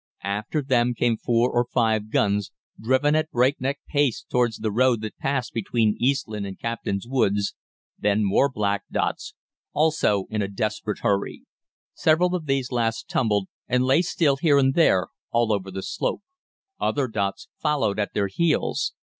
After them came four or five guns, driven at breakneck pace towards the road that passes between Eastland and Captain's Woods, then more black dots, also in a desperate hurry. Several of these last tumbled, and lay still here and there all over the slope. "Other dots followed at their heels.